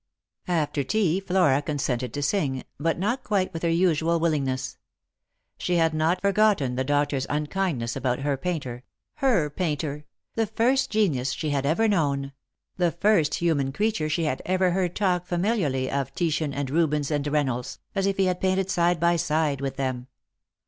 After tea Flora consented to sing, but not quite with her usual willingness. She had not forgotten the doctor's unkind ness about her painter — her painter — the first genius she had ever known, the first human creature she had ever heard talk familiarly of Titian and Rubens and Beynolds, as if he had painted side by side with them.